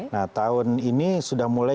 nah tahun ini sudah mulai